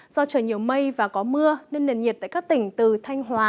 do trời nhiều mây và có mưa nên nền nhiệt tại các tỉnh từ thanh hóa